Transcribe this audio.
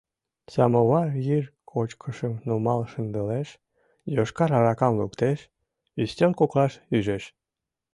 Самовар йыр кочкышым нумал шындылеш, йошкар аракам луктеш, ӱстел коклаш ӱжеш.